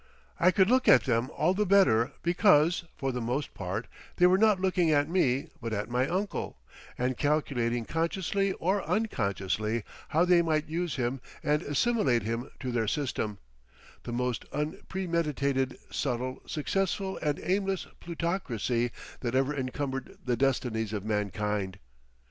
I could look at them all the better because, for the most part, they were not looking at me but at my uncle, and calculating consciously or unconsciously how they might use him and assimilate him to their system, the most unpremeditated, subtle, successful and aimless plutocracy that ever encumbered the destinies of mankind.